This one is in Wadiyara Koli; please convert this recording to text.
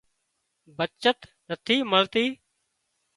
بچت نٿِي مۯتي